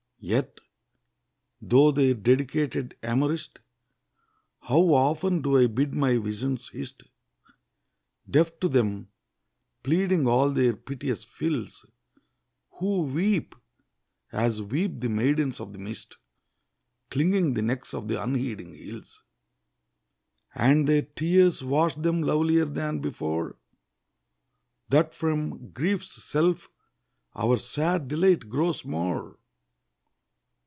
Yet, though their dedicated amorist, How often do I bid my visions hist, Deaf to them, pleading all their piteous fills; Who weep, as weep the maidens of the mist Clinging the necks of the unheeding hills: And their tears wash them lovelier than before, That from grief's self our sad delight grows more.